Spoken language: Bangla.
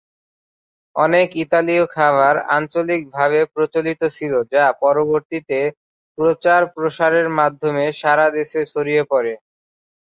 অনেক ইতালীয় খাবার আঞ্চলিকভাবে প্রচলিত ছিল যা পরবর্তীতে প্রচার-প্রসারের মাধ্যমে সারা দেশে ছড়িয়ে পরে।